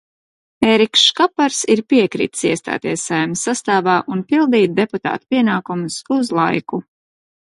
Ēriks Škapars ir piekritis iestāties Saeimas sastāvā un pildīt deputāta pienākumus uz laiku.